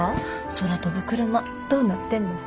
空飛ぶクルマどうなってんの？